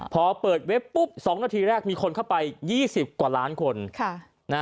พอเปิดเว็บปุ๊บ๒นาทีแรกมีคนเข้าไป๒๐กว่าล้านคน